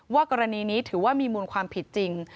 กรณีนี้ถือว่ามีมูลความผิดจริง